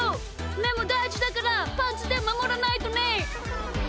めもだいじだからパンツでまもらないとね！